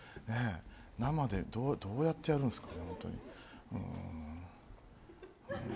生でどうやってやるんですかね。